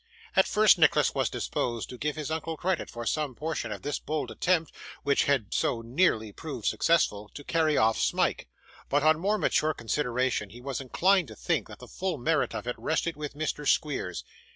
At first Nicholas was disposed to give his uncle credit for some portion of this bold attempt (which had so nearly proved successful) to carry off Smike; but on more mature consideration, he was inclined to think that the full merit of it rested with Mr. Squeers.